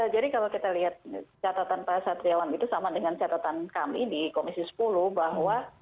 jadi kalau kita lihat catatan pak satriwan itu sama dengan catatan kami di komisi sepuluh bahwa